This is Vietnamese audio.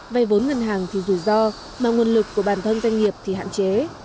vay vốn ngân hàng thì rủi ro mà nguồn lực của bản thân doanh nghiệp thì hạn chế